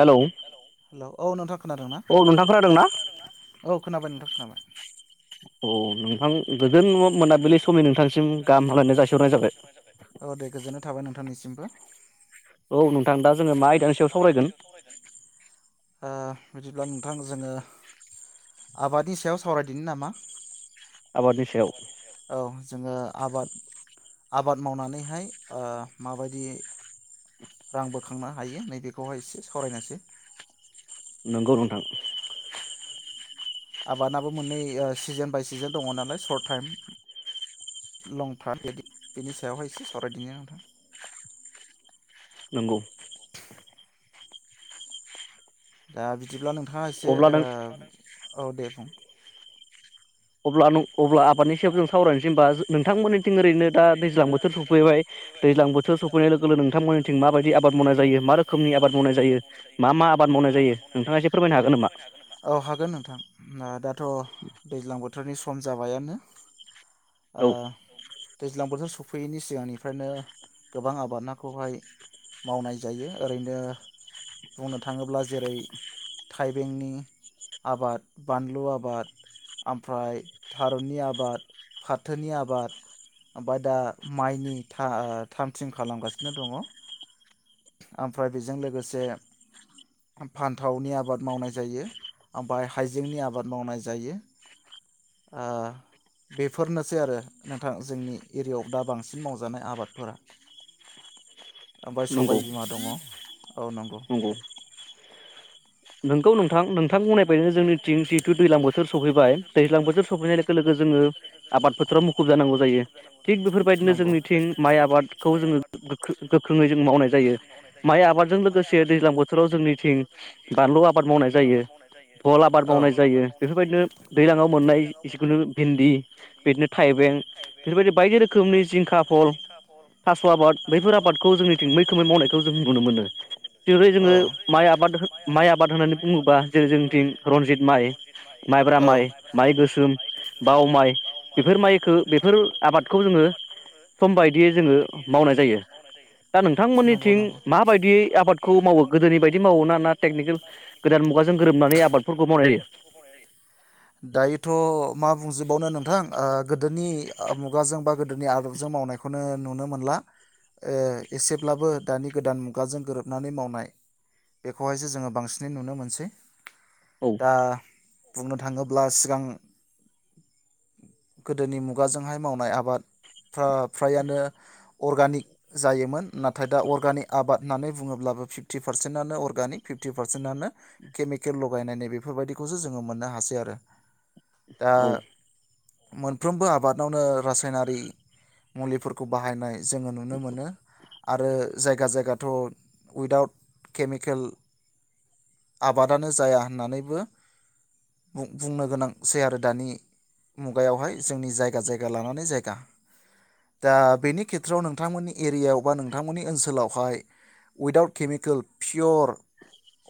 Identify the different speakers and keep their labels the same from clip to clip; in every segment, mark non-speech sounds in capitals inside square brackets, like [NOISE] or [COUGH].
Speaker 1: Hello औ नोंथां खोनादोंना
Speaker 2: खोनाबाय नोंथां खोनाबाय
Speaker 1: औ नोंथां गोजोन मोनाबिलि
Speaker 2: मोनाबिलि समनि नोंथांनिसिम गाहाम हामलायनाय जासिहरनाय जाबाय औ दे गोजोननाय थाबाय नोंथांनिसिमबो
Speaker 1: औ नोंथां दा जोङो मा आयदानि सायाव सावरायगोन
Speaker 2: बिदिब्ला नोंथां जोङो आबादनि सायाव सावरायदिनि नामा
Speaker 1: आबादनि सायाव
Speaker 2: औ जोङो आबाद आबाद मावनानैहाय ओ माबायदि रां बोखांनो हायो नैबेखौहाय एसे सावरायनोसै
Speaker 1: नंगौ नोंथां
Speaker 2: आबादाबो मोननै ओ सिजोन बाय सिजोन दङ नालाय शर्ट टाइम लं टाइम बिदि बेनि सायावहाय एसे सावरायदिनि नोंथां दा बिदिब्ला नों थाङा एसे ओ औ दे बुं
Speaker 1: अब्ला न
Speaker 2: अब्ला अब्ला आबादनि सायाव जों सावरायनोसै होमबा नोंथांमोननिथिं ओरैनो दा दैज्लां बोथोर सफैबाय दैज्लां बोथोर सफैनाय लोगो लोगो नोंथांमोननिथिं माबायदि आबाद मावनाय जायो मा रोखोमनि आबाद मावनाय जायो मा मा आबाद मावनाय जायो नोंथाङा इसे फोरमायनो हागोन नामा औ हागोन नोंथां [UNINTELLIGIBLE] थ दैज्लां बोथ [UNINTELLIGIBLE] सम जाबायानो ओ दैज्लां बोथोर स फैयिनि सिगांनिफ्रायनो गोबां आबाद नाखौहाय मावनाय जायो ओरैनो बुंनो थाङोब्ला जेरै थाइबेंनि आबाद बानलु आबाद ओमफ्राय थारुननि आबाद फाथोनि आबाद ओमफ्राय दा माइनि था आ थाम थिम खालामगासिनो दङ ओमफ्राय बेजों लोगोसे फान्थावनि आबाद मावनाय जायो ओमफ्राय हाइजेंनि आबाद मावनाय जायो ओ बेफोरनोसै आरो नोंथां जोंनि एरियायाव दा बांसिन मावजानाय आबादफोरा ओम सबायाइ बिमा दङ औ नंगौ
Speaker 1: नोंगौ नोंथां नोंथां बुंनाय बायदिनो जोंनिथिं जिहेतु दैज्लां बोथोर सफैबाय दैज्लां बोथोर सफहैनाय लोगो लोगो जोङो आबाद फोथोराव मुखुब जानांगौ जायो थिग बेफोरबायदिनो जोंनिथिं माइ आबादखौ जोङो गोख्रो गोख्रोङै जों मावनाय जायो माइ आबादजों लोगोसे दैज्लां बोथोराव जोंनिथिं बानलु आबाद मावनाय जायो बहल आबाद मावनाय जायो बेफोरबायदिनो दैलाङाव मोननाय जिखुनु भिन्दि बिदिनो थाइबें बेफोरबायदि बायदि रोखोमनि जिंखा फल थास आबाद बैफोर आबादखौ जोंनिथिं मैखोमै मावनायखौ जों नुनो मोनो। बेनिफ्राय जोङो माइ आबाद हो आबाद होननानै बुंङो जेरै जोंनिथिं रनजित माइ, माइब्रा माइ, माइ गोसोम, बाव माइ बेफोर माइखौ बेफोर आबादखौ जोङो सम बायदियै जोङो मावनाय जायो दा नोंथांमोननिथिं माबायदियै आबादखौ मावो गोदोनि बायदि मावोना ना टेक्निकेल गोदान
Speaker 2: [INAUDIBLE] दायोथ मा बुंजोबावनो नोंथां ओ गो दोनि मुगाजों बा गोद गोदोनि आदबजों मावनायखौनो नुनो मोनला ओ एसेब्लाबो दानि गोदान मुगाजों गोरोबनानै मावनाय बेखौहायसो जोङो बांसिनै नुनो मोनस सै दा बुंनो थाङोब्ला सिगां गोदोनि मुगाजोंहाय मावनाय आबाद फ्रा फ्रायानो अरगानिक जायोमोन नाथाय दा अरगानिक आबाद होननानै बुङोब्लाबो फिफ्टि पारसेन्टआनो अरगानिक फिफ्टि पारसेन्टआनो केमिकेल लगायनायनि बेफोरबायदिखौसो जोङो मोननो हासै आरो दा मोनफ्रोमबो आबादावनो रासायनारि मुलिफोरखौ बाहायनाय जोङो नुनो मोनो आरो जायगा जायगाथ उइदाउट केमिकेल आबादानो जाया होननानैबो बुं बुंनो गोनां सै आरो दानि मुगायावहाय जोंनि जायगा जायगा लानानै जायगा दा बेनि खेथ्रआव नोंथांमोननि एरियायाव बा नोंथांमोननि ओनसोलावहाय उइदाउट केमिकेल पियर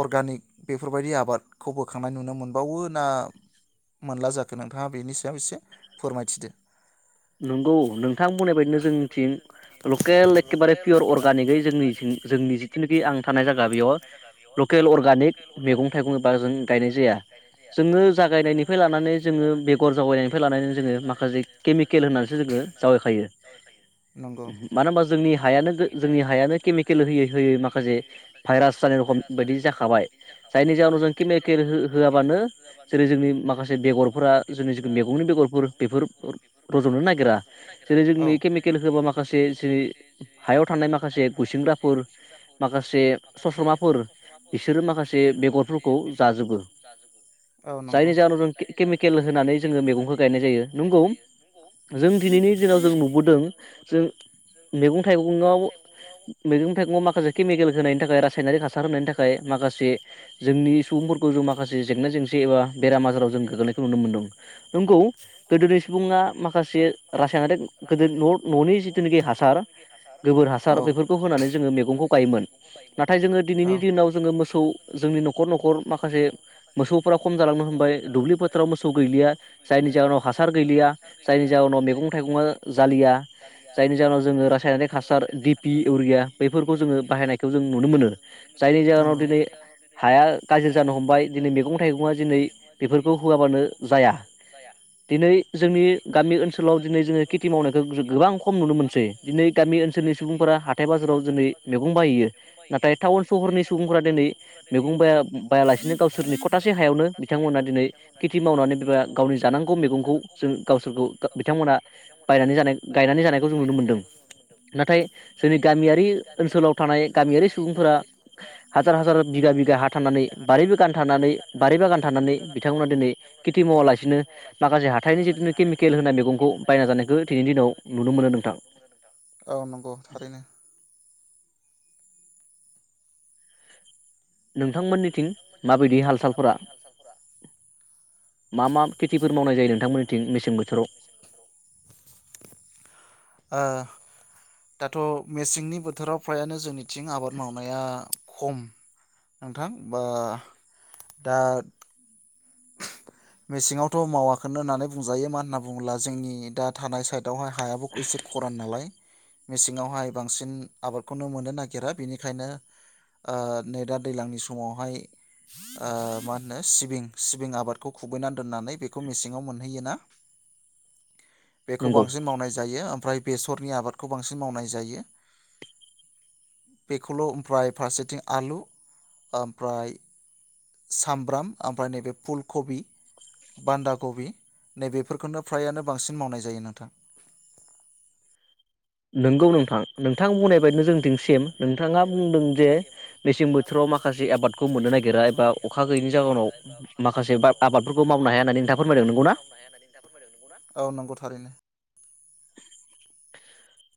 Speaker 2: अरगानिक बेफोरबायदि आबादखौ बोखांनाय नुनो मोनबावो ना मोनला जाखो नोंथाङा बेनि सायाव एसे फोरमायथिदो
Speaker 1: नंगौ नोंथां बुंनाय बायदिनो जोंथिं लकेल एखेबारे पियर अरगानिकै जोंनिथिं जोंनि जिथुनिखि आं थानाय जायगा बेयावो लकेल अरगा नेक मैगं-थाइगं बारा जों गायनाय जाया जोङो जागायनायनिफ्राय लानानै जोङो बेगर जावयैनायनिफ्राय लानानै जोङो माखासे केमिक केल होननानैसो जोङो जावायखायो मानो होनबा जोंनि हायानो गो जोंनि हायानो केमिकेल होयै होयै माखासे भाइरास जानाय रखम बायदि जाखाबा बाय जायनि जाहोनाव जों केमिकेल हो होआबानो जेरै जोंनि माखासे बेगरफोरा जोंनि जि मैगंनि बेगरफोर बेफोर रजनोनो नागिरा जेरै जोंनि केमिकेल होबा माखासे जेरै हायाव थानाय माखासे गुसिंग्राफोर माखासे सस्रमाफोर बिसो
Speaker 2: बिसोरो माखासे बेगरफोरखौ जाजोबो औ नंगौ जायनि जाहोनाव जों केमिकेल होनानै जोङो मैगंखौ गायनाय जायो
Speaker 1: जों दिनैनि दिनाव जों नुबोदों जों मैगं थाइगङाव मैगं थाइगङाव माखासे केमिकेल होनायनि थाखाय रासायनारि हासार होनायनि थाखाय माखा जोंनि सुबुंफोरखौ जों माखासे जेंना जेंसि एबा बेराम आजाराव जों गोग्लैनायखौ नुनो मोनदों नंगौ गोदोनि सुबुङा माखासे रासायनारिक गोदो न ननि जिथुनाखि हासार गोबोर हासार बेफोरखौ होनानै जोङो मैगंखौ गायोमोन नाथाय जोङो दिनैनि दिनाव जो खौ जोंनि नखर नखर माखासे मोसौफ्रा खम जालांनो हबाय दुब्लि फोथाराव मोसौ गैलिया जायनि जाहोनाव हासार गैलिया जायनि जाहनाव मैगं थाइगङा जालिया, जायनि जाहोनाव जोङो रासायनारिक हासार डि पि इउरिया बैफोरखौ जोङो बाहायनायखौ जों नुनो मोनो। जायनि जाहोनाव दिनै हाया गाज्रि जानो हमबाय दिनै मैगं थाइगंआ दिनै बेफोरखौ होआबानो जाया। दिनै जोंनि गामि ओनसोलाव दिनै जोङो खेथि मावनायखौ जों गोबां खम नुनो मोनसै। दिनै गामि ओनसोलनि सुबुंफोरा हाथाय बाजाराव दिनै मैगं बायहैयो नाथाय टाउन सहरनि सुबुंफोरा दिनै मैगं बाया-बायालासिनो गावसोरनि खथासे हायावनो बिथांमोना दिनै खेथि मावनानै बा गावनि जानांगौ मैगंखौ जों गावसोरखौ बिथांमोना बायनानै जानाय गायनानै जानायखौ जों नुनो मोनदों। नाथाय जोंनि गामियारि ओनसोलाव थानाय गामियारि सुबुंफोरा हाजार हाजार बिगा बिगा हा थानानै बारि बागान थानानै बारि बागान थानानै बिथांमोना दिनै खेथि मावालासिनो माखासे हाथाइनि जेखिनि केमिकेल होनाय मैगंखौ बायना जानायखौ दिनैनि दिनाव नुनो मोनो नोंथां। नोंथांमोननिथिं माबायदि हाल सालफोरा मा मा खेथिफोर मावनाय जायो नोंथांमोननिथिं मेसें बोथोराव?
Speaker 2: दाथ' मेसेंनि बोथोराव फ्रायानो जोंनि थिं आबाद मावनाया खम नोंथां बा दा मेसेङावथ' मावाखोनो होननानै बुंजायो मा होनना बुङोब्ला जोंनि दा थानाय साइट दावहाय हायाबो एसे खरान नालाय मेसेङावहाय बांसिन आबादखौनो मोननो नागिरा बेनिखायनो ओ नै दा दैज्लांनि समावहाय ओ मा होनो सिबिं सिबिं आबादखौ खुबैनानै दोननानै बेखौ मेसेङाव मोनहैयोना? बेखौ बांसिन मावनाय जायो ओम फ्राय बेसरनि आबादखौ बांसिन मावनाय जायो बेखौल' ओमफ्राय फारसेथिं आलु ओमफ्राय सामब्राम ओमफ्राय नैबे फुलकबि, बान्दा कबि नैबेफोरखौनो फ्रायानो बांसिन मावनाय जायो नोंथां।
Speaker 1: नोंगौ नोंथां नोंथां बुंनाय बायदिनो जोंंनिथिं सेम नोंथाङा बुंदों जे मेसें बोथोराव माखासे आबादखौ मोननो नागिरा एबा अखा गैयैनि जाहोनाव माखासे आबादफोरखौ मावनो हाया होननानै नोंथाङा फोरमायदों नंगौना?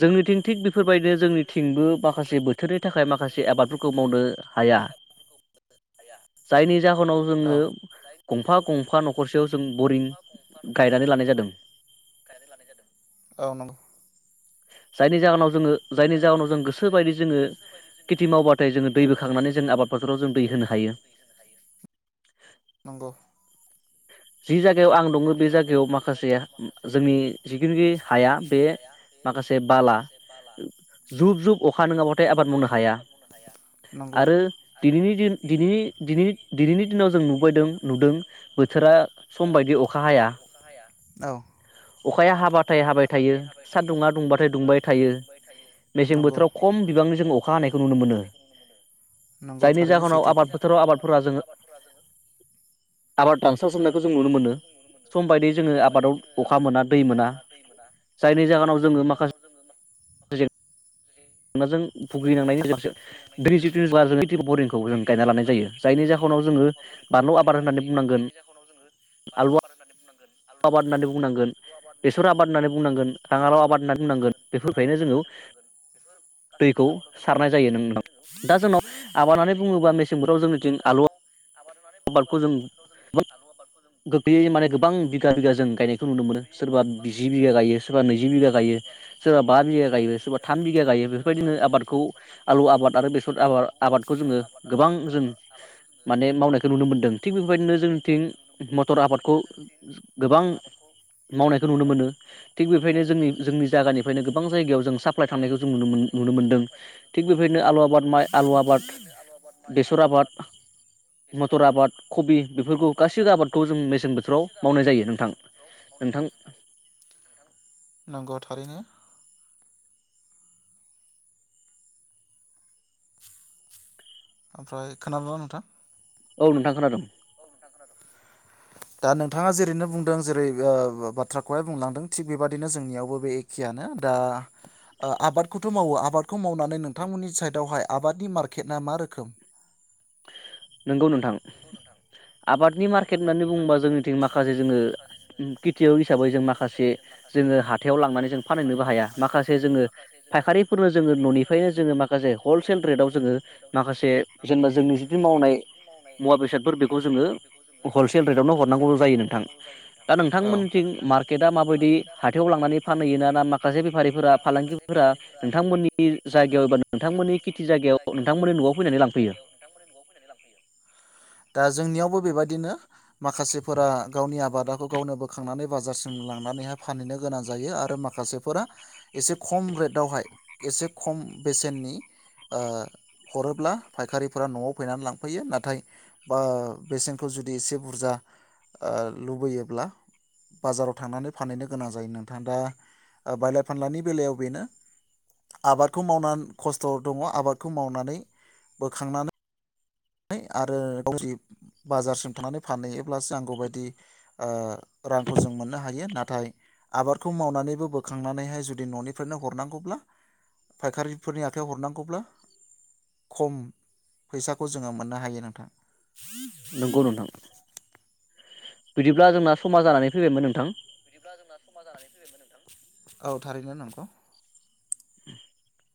Speaker 1: जोंनिथिं थिग बे बेफोरबायदिनो जोंनिथिंबो माखासे बोथोरनि थाखाय माखासे आबादफोरखौ मावनो हाया। जायनि जाहोनाव जोङो गंफा गंफा न'खरसेयाव जों बरिं गायनानै लानाय जादों। जायनि जाहोनाव जोङो जायनि जाहोनाव जों गोसोबायदि जोङो खेथि मावबाथाय जोङो दै बोखांनानै जों आबाद फोथाराव जों दै होनो हायो।
Speaker 2: नंगौ।
Speaker 1: जि जायगा याव आं दङ बे जायगायाव माखासे जोंनि जिखिनिखि हाया बे माखासे बाला। जुब जुब अखा नोङाबाथाय आबाद मावनो हाया। आरो दिनैनि दिन दिनैनि-दिनैनि-दिनैनि दिनाव जों नुबोदों नुदों दा समबाय
Speaker 2: औ नंगौ नंगौ थारैनो सैथो बियो।
Speaker 1: [UNINTELLIGIBLE] सम बायदि जोङो आबादाव अखा मोना दै मोना जायनि जाहोनाव जोङो माखासे जेंनाजों भुगिनांनायनि दैनि जिथु जगार जोङो बरिंखौ जों गायना लानाय जायो जायनि जाहोनाव जोङो बानलु आबाद होननानै बुंनांगोन
Speaker 2: आलु आबाद होनानै आलु आबाद होननानै बुंनांगोन, बेसर आबाद होननानै बुंनांगोन, राङालाव आबाद होननानै बुंनांगोन बेफोर गासैबो आबादाव जों बे बरिंनिफ्रायनो जोङो दैखौ सारनाय जायो आरो नोंथां दा जोंनाव आबादा होननानै बुङोबा मेसें बोथोराव जोङो जि आलु आबादखौ
Speaker 1: बे माने गोबां बिगा बिगा जों गायनायखौ नुनो मोनो। सोरबा बिजि बिघा गायो, सोरबा नैजि बिगा गायो, सोरबा बा बिगा गायो, सोरबा थाम बिगा गायो। बेफोरबायदिनो आबादखौ आलु आबाद आरो बेसर आबाद आबादखौ जोङो गोबां जों माने मावनाय नुनो मोनदों। थिग बेबायदिनो जोंनिथिं मटर आबादखौ गोबां मावनायखौ नुनो मोनो थिग बेफ्रायनो जोंनि जोंनि जायगानिफ्रायनो गोबां जायगायाव साप्लाइ थांनायखौ जों नुनो मोनदों। थिग बेबायदिनो आलु आबाद, माइ आलु आबाद, बेसर आबाद मटर आबाद कबि बेफोरखौ गासैबो आबाद
Speaker 2: बेफोरखौ गासैबो आबादखौ जों मेसें बोथोराव मावनाय जायो नोंथां नोंथां नंगौ। थारैनो। [INAUDIBLE] ओमफ्राय खोनादोंना नोंथां?
Speaker 1: औ नोंथां खोनादों।
Speaker 2: दा नोंथाङा जेरैनो बुंदों जेरै ओ बाथ्राखौहाय बुंलांदों थिग बेबादिनो जोंनियावबो बे एखेयानो। दा आबादखौथ मावो आबादखौ मावनानै नोंथांमोननि साइडआवहाय आबादनि मार्केटआ मा रोखोम?
Speaker 1: नंगौ नोंथां आबाद नि मार्केट होननानै बुङोबा जोंनिथिं माखासे जोङो खेथियक हिसाबै जों माखासे जोङो हाथायाव लांनानै जों फानहैनोबो हाया। माखासे जोङो फायखारिफोरनो जोङो न'निफ्राय नो जोङो माखासे हलसेल रेटआव जोङो माखासे जेनेबा जोंनि जि मावनाय मुवा बेसादफोर बेखौ जोङो हलसेल रेटआवनो हरनांगौ जायो नोंथां दा नोंथांमोननिथिं मार्केटआ माबायदि हाथायाव लांनानै फानहैयो ना, माखासे बेफारिफोरा फालांगिफोरा नोंथांमोननि जायगायाव एबा नोंथांमोननि खेथि जायगायाव नोंथांमोननि नआव फैनानै लांफैयो?
Speaker 2: फैनानै लांफैयो? दा जोंनियावबो बेबायादि नो माखासेफोरा गावनि आबादाखौ गावनो बोखांनानै बाजारसिम लांनानैहाय फानहैनो गोनां जायो। आरो माखासेफोरा एसे खम रेटावहाय एसे खम बेसेननि ओ हरोब्ला फायखारिफोरा नआव फैनानै लांफैयो। नाथाय ओ बेसेन खौ जुदि एसे बुरजा ओ लुबैयोब्ला बाजाराव थांनानै फानहैनो गोनां जायो नोंथां। दा बायलाय फानलानि बेलायाव बेनो आबादखौ मावनानै खस्थ दङ आबादखौ मावनानै बोखांनानै आरो गावदि बाजारसिम थानानै फानहैयोब्लासो नांगौबायदि ओ रांखौ जों मोननो हायो। ना थाय आबादखौ मावनानैबो बोखांनानैहाय जुदि न'निफ्राय नो हरनांगौब्ला फायखारिफोरनि आखाइायाव हरनांगौब्ला खम फैसा खौ जोङो मोननो हायो नोंथां।
Speaker 1: नंगौ नोंथां। बिदिब्ला जोंना समा जानानै फैबायमोन नोंथां।
Speaker 2: बिदिब्ला जोंना समा जानानै फैबायमोन नोंथां। औ थारैनो नोंगौ।
Speaker 1: [INAUDIBLE]